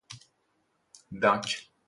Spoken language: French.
D'un c